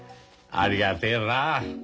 ありがてえなあ。